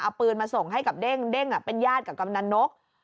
เอาปืนมาส่งให้กับเด้งเด้งเป็นญาติกับกำนันนก